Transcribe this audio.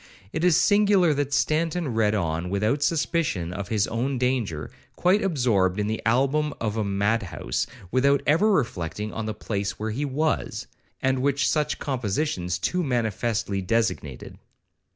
It is singular that Stanton read on without suspicion of his own danger, quite absorbed in the album of a mad house, without ever reflecting on the place where he was, and which such compositions too manifestly designated.